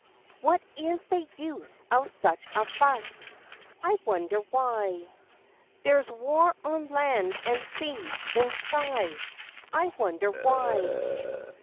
What is the use of such a fuss? I wonder why! There's war on land and sea, in sky, I wonder why!